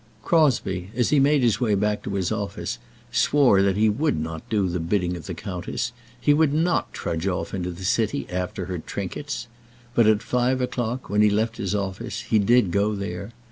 Crosbie, as he made his way back to his office, swore that he would not do the bidding of the countess. He would not trudge off into the city after her trinkets. But at five o'clock, when he left his office, he did go there.